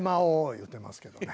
言うてますけどね。